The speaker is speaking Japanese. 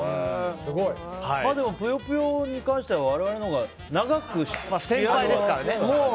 でも、「ぷよぷよ」に関しては我々のほうが長く先輩ですからね。